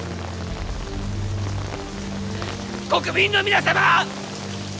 国民の皆様！